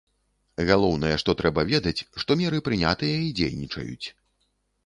Галоўнае, што трэба ведаць, што меры прынятыя і дзейнічаюць.